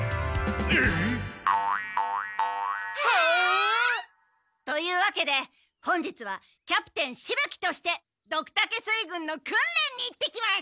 ええっ？えっ！というわけで本日はキャプテンしぶ鬼としてドクタケ水軍の訓練に行ってきます！